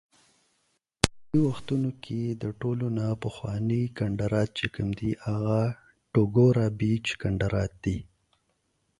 Presently, the oldest confirmed ruins are the Tuguru Beach ruins.